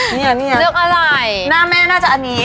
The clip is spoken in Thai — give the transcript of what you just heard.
นี่อะหน้าแม่น่าจะอันนี้